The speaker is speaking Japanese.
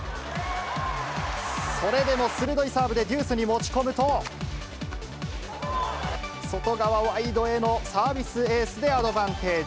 それでも鋭いサーブでデュースに持ち込むと、外側ワイドへのサービスエースでアドバンテージ。